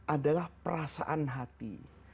adalah perasaan hati